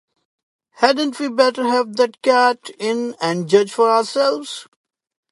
Hadn't we better have the cat in and judge for ourselves?